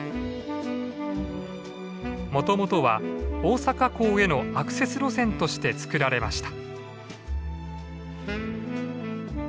もともとは大阪港へのアクセス路線として作られました。